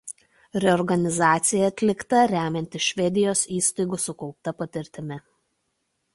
Reorganizacija atlikta remiantis Švedijos įstaigų sukaupta patirtimi.